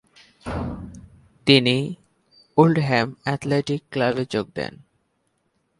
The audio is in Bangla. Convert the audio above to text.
তিনি ওল্ডহ্যাম অ্যাথলেটিক ক্লাবে যোগ দেন।